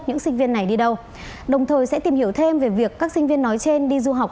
những sinh viên này đi đâu đồng thời sẽ tìm hiểu thêm về việc các sinh viên nói trên đi du học